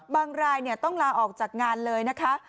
รายต้องลาออกจากงานเลยนะคะ